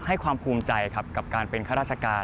ให้ความภูมิใจครับกับการเป็นข้าราชการ